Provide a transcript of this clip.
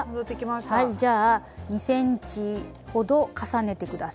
はいじゃあ２ｃｍほど重ねて下さい。